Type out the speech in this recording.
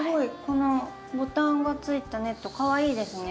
このボタンがついたネットかわいいですね。